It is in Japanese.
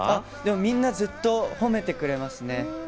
みんなずっと褒めてくれますね。